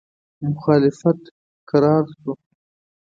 مخالفت کرار نه شو.